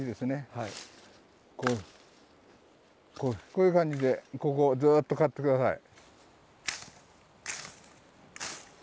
こういう感じでここをずっと刈って下さい。